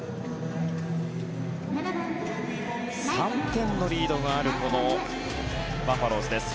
３点のリードがあるバファローズです。